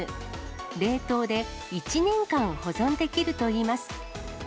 冷凍で１年間保存できるといいます。